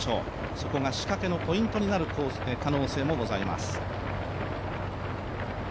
そこが仕掛けのポイントになる可能性もございます。